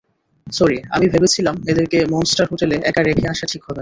Sorry, আমি ভেবেছিলাম ওদেরকে মনস্টার হোটেলে একা রেখে আসা ঠিক হবে না।